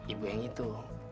ibu yang itu